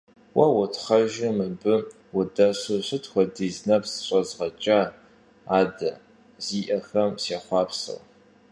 Уэ утхъэжу мыбы удэсу, сыт хуэдиз нэпс щӀэзгъэкӀа адэ зиӀэхэм сехъуапсэу.